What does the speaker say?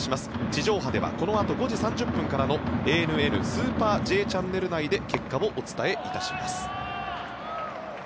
地上波ではこのあと５時３０分からの「ＡＮＮスーパーＪチャンネル」内で結果をお伝えいたします。